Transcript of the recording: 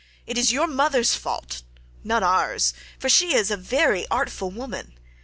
It is your mother's fault not ours, for she is a very artful woman.